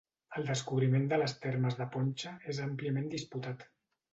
El descobriment de les termes de Poncha és àmpliament disputat.